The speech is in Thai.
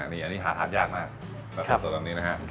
อันนี้หาทับยากมากแต่สอบสำหรับนี้นะฮะ